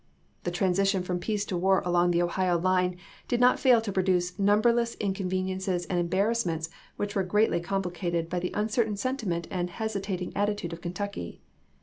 The transition from peace to war along the Ohio line did not fail to produce numberless inconven iences and embarrassments which were greatly complicated by the uncertain sentiment and hesi tating attitude of Kentucky.